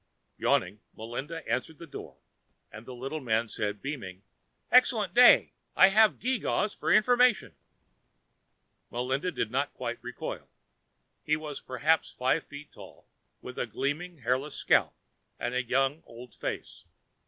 Yawning, Melinda answered the door and the little man said, beaming, "Excellent day. I have geegaws for information." Melinda did not quite recoil. He was perhaps five feet tall, with a gleaming hairless scalp and a young old face.